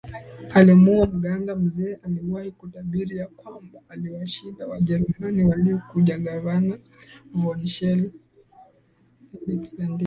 alimwua mganga mzee aliyewahi kutabiri ya kwamba atawashinda Wajerumani waliokujaGavana von Schele aliandika